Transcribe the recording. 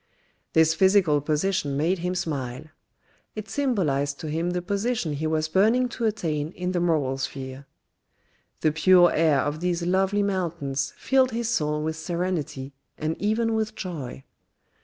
This physical position made him smile. It symbolised to him the position he was burning to attain in the moral sphere. The pure air of these lovely mountains filled his soul with serenity and even with joy.